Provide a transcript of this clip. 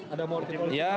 ada morti politik apa